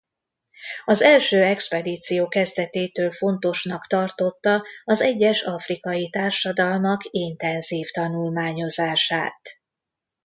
Az első expedíció kezdetétől fontosnak tartotta az egyes afrikai társadalmak intenzív tanulmányozását.